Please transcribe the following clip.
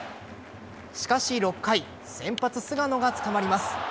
しかし、６回先発・菅野がつかまります。